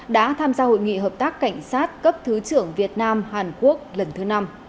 đã tham gia hội nghị hợp tác cảnh sát cấp thứ trưởng việt nam hàn quốc lần thứ năm